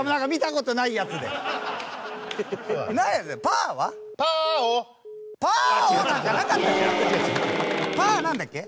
パーはなんだっけ？